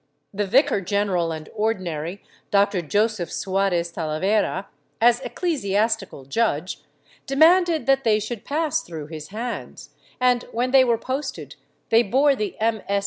The vicar general and Ordinary, Doctor Josef Suarez Talavera, as ecclesiastical judge, demanded that they should pass through his hands, and when they were posted they bore the MS.